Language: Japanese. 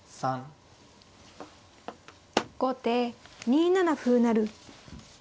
後手２七歩成。